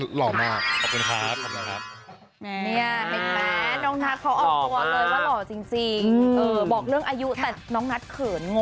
น้องนัทแบบสองเลยว่าเบาจริงบอกเรื่องอายุแหละน้องนัทเขินงง